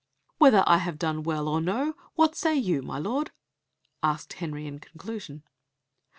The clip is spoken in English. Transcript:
"Whether I have done well or no, what say you, my lord?" asked Henry in conclusion.